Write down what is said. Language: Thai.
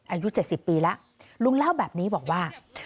อายุ๗๐ปีแล้วลุงเล่าแบบนี้บอกว่า